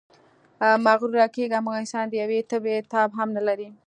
مغروره کېږئ مه، انسان د یوې تبې تاب هم نلري.